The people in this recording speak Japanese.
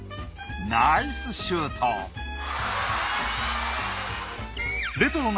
ナイスシュート！